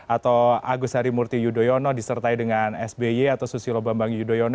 atau agus harimurti yudhoyono disertai dengan sby atau susilo bambang yudhoyono